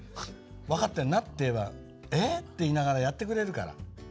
「分かってるな」って言えば「えっ？」って言いながらやってくれるから。